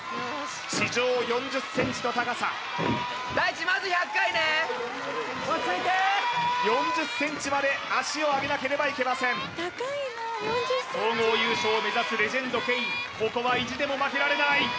地上４０ｃｍの高さ４０ｃｍまで足を上げなければいけません総合優勝を目指すレジェンドケインここは意地でも負けられない